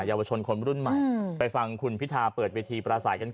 เยาวชนคนรุ่นใหม่ไปฟังคุณพิธาเปิดเวทีปราศัยกันก่อน